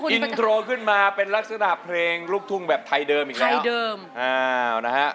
อินโทรเป็นลักษณะเพลงรุบทุ่งไทยเดิมอีกแล้ว